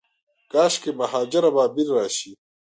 کاشکي مهاجر ابابیل راشي